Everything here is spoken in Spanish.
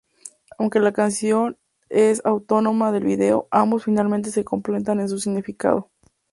Aunque la canción es autónoma del video, ambos finalmente se complementan en su significado.